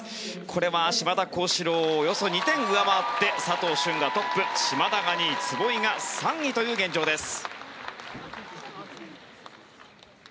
これは島田高志郎をおよそ２点上回って佐藤駿がトップ島田が２位壷井が３位という現状です。